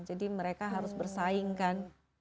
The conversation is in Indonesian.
jadi mereka harus bersaingkan